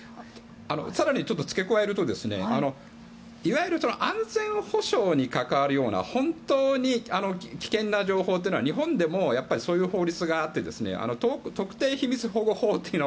更にちょっと付け加えるといわゆる安全保障に関わるような本当に危険な情報というのは日本でもそういう法律があって特定秘密保護法というもの。